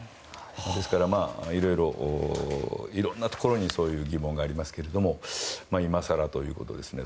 ですから、色々なところにそういう疑問がありますが今更ということですね。